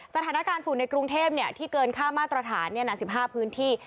สถานการณ์ฝุ่นในกรุงเทพที่เกินค่ามาตรฐาน๑๕พื้นที่